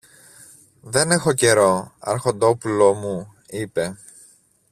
Δεν έχω καιρό, αρχοντόπουλο μου, είπε.